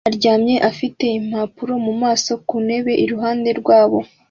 aryamye afite impapuro mu maso ku ntebe iruhande rwabo